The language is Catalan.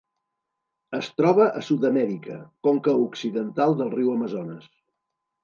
Es troba a Sud-amèrica: conca occidental del riu Amazones.